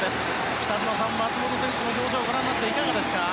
北島さん、松元選手の表情をご覧になっていかがでしたか？